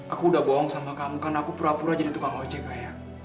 aku udah bohong sama kamu kan aku pura pura jadi tukang ojek ayah